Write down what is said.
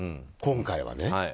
今回はね。